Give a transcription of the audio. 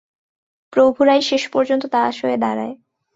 প্রভুরাই শেষ পর্যন্ত দাস হয়ে দাঁড়ায়।